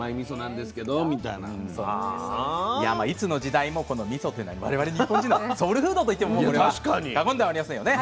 いつの時代もこのみそというのは我々日本人のソウルフードといっても過言ではありませんよね。